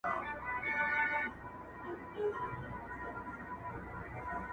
د کلې خلگ به دي څه ډول احسان ادا کړې.